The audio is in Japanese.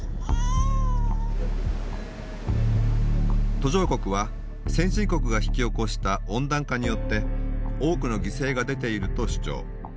途上国は先進国が引き起こした温暖化によって多くの犠牲が出ていると主張。